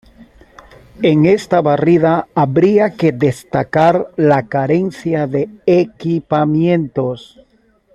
En esta barrida habría que destacar la carencia de equipamientos.